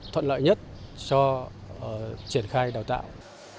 thuận lợi nhất cho triển khai đào tạo